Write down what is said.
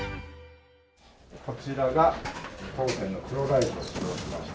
こちらが当店の黒大豆を使用しました